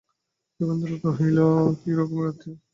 যোগেন্দ্র কহিল, কী রকমের আত্মীয়?